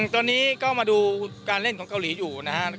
ตอนนี้ก็มาดูการเล่นของเกาหลีอยู่นะครับ